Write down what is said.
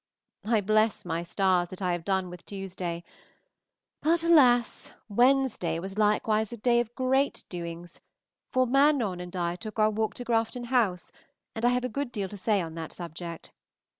I bless my stars that I have done with Tuesday. But, alas! Wednesday was likewise a day of great doings, for Manon and I took our walk to Grafton House, and I have a good deal to say on that subject.